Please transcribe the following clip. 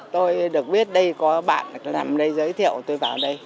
tôi được biết đây có bạn tôi nằm đây giới thiệu tôi vào đây